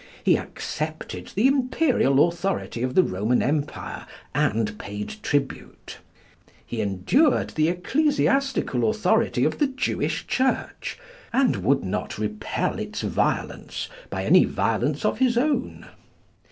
He accepted the imperial authority of the Roman Empire and paid tribute. He endured the ecclesiastical authority of the Jewish Church, and would not repel its violence by any violence of his own.